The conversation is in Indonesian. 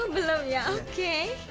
belum ya oke